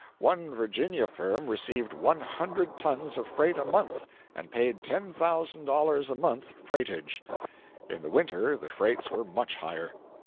One Virginia firm received one hundred tons of freight a month, and paid $10,000 a month freightage. In the winter the freights were much higher.